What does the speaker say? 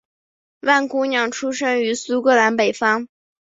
万姑娘出生于苏格兰北方。